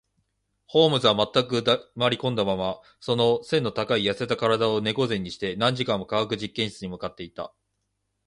ホームズは全く黙りこんだまま、その脊の高い痩せた身体を猫脊にして、何時間も化学実験室に向っていた